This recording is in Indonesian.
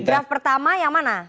draft pertama yang mana